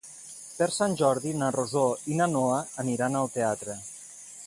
Per Sant Jordi na Rosó i na Noa aniran al teatre.